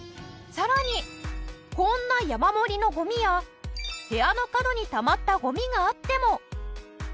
さらにこんな山盛りのゴミや部屋の角にたまったゴミがあっても。